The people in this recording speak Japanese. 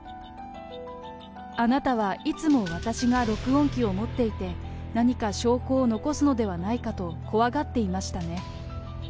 あなたはいつも私が録音機を持っていて、何か証拠を残すのではないかと怖がっていましたね。